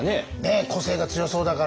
個性が強そうだから。